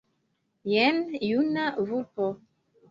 Jen juna vulpo.